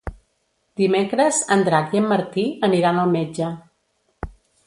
Dimecres en Drac i en Martí aniran al metge.